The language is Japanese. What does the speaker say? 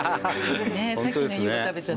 さっきの湯葉食べちゃったら。